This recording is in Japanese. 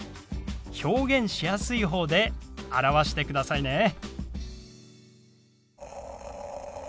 表現しやすい方で表してくださいね。